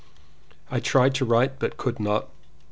I tried to write but could not.